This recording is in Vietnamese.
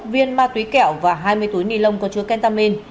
năm mươi một viên ma túy kẹo và hai mươi túi nilon có chứa kentamin